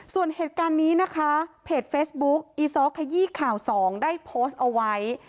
ส่วนเหตุการณ์นี้นะคะเพจเฟซบุ๊คอีซ้อขยี้ข่าว๒ได้โพสต์เอาไว้